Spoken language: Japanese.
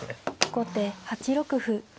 後手８六歩。